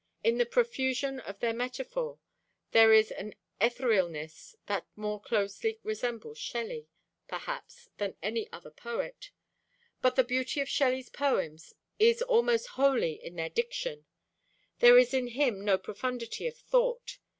In the profusion of their metaphor there is an etherealness that more closely resembles Shelley, perhaps, than any other poet; but the beauty of Shelley's poems is almost wholly in their diction: there is in him no profundity of thought.